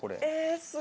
すごい！